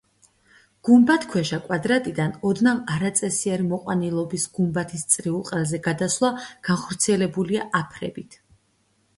გუმბათქვეშა კვადრატიდან ოდნავ არაწესიერი მოყვანილობის გუმბათის წრიულ ყელზე გადასვლა განხორციელებულია აფრებით.